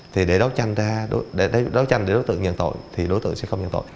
thì để đấu tranh để đối tượng nhận tội thì đối tượng sẽ không nhận tội